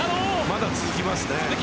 まだ続きますね。